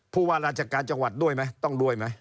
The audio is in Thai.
ผู้ว่าราชการจังหวัดด้วยไหมต้องรวยไหม